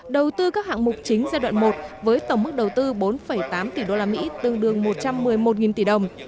đầu tư các hạng mục chính giai đoạn một với tổng mức đầu tư bốn tám tỷ usd tương đương một trăm một mươi một tỷ đồng